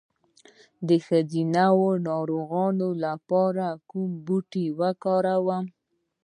د ښځینه ناروغیو لپاره کوم بوټی وکاروم؟